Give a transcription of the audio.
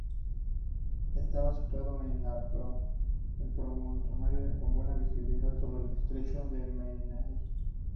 Estaba situado en un promontorio con buena visibilidad sobre el estrecho de Menai.